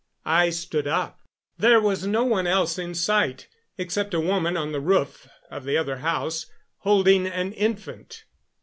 I stood up. There was no one else in sight except a woman on the roof of the other house holding an infant.